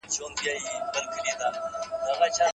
که سياست خوځنده نه وي پرمختګ درېږي.